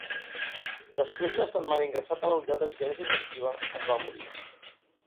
Després d’una setmana ingressat en la unitat de vigilància intensiva, es va morir.